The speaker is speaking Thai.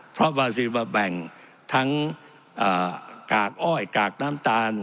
เพราะบาซิลมาแบ่งทั้งกากอ้อยกากน้ำตาล